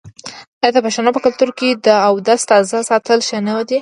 آیا د پښتنو په کلتور کې د اودس تازه ساتل ښه نه دي؟